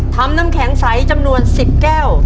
น้ำแข็งใสจำนวน๑๐แก้ว